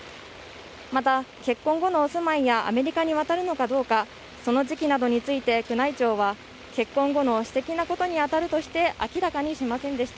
また結婚後のお住まいやアメリカに渡るのかなど、その時期について宮内庁は結婚後の私的なことに当たるとして明らかにしませんでした。